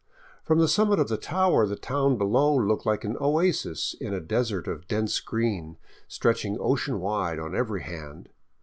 From the summit of the tower the town below looked like an oasis in a desert of dense green, stretching ocean wide on every hand.